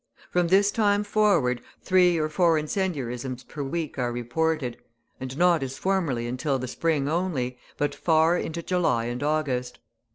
From this time forward, three or four incendiarisms per week are reported, and not as formerly until the spring only, but far into July and August.